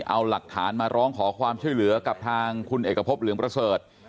เอาหลักฐานมาร้องขอความช่วยเหลือกับทางคุณเอกพบเหลืองประเสริฐ